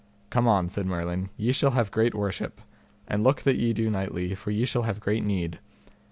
Come on, said Merlin, ye shall have great worship, and look that ye do knightly, for ye shall have great need.